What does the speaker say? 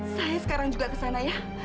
saya sekarang juga ke sana ya